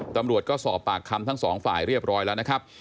ตำรวจก็สอบปากคำทั้งสองฝ่ายเรียบร้อยแล้วนะครับ